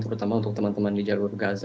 terutama untuk teman teman di jalur gaza